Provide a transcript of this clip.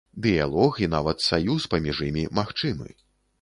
Дыялог і нават саюз паміж імі магчымы.